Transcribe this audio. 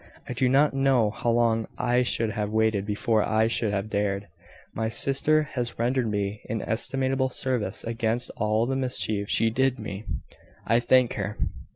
I do not know how long I should have waited before I should have dared. My sister has rendered me an inestimable service amidst all the mischief she did me. I thank her.